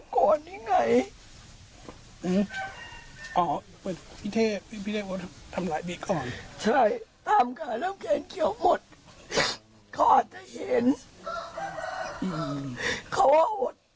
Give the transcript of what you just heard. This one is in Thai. คนที่เป็นลูกผู้ชายเนี่ยเนาะ